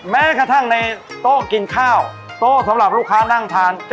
แม้กระทั่งในโต๊ะกินข้าวโต๊ะสำหรับลูกค้านั่งทาน